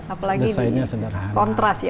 apalagi ini kontras ya